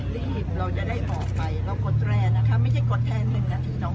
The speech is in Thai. รีบเราจะได้ออกไปเรากดแร่นะคะไม่ใช่กดแทน๑นาทีน้อง